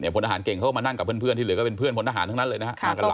พลทหารเก่งเขาก็มานั่งกับเพื่อนที่เหลือก็เป็นเพื่อนพลทหารทั้งนั้นเลยนะฮะ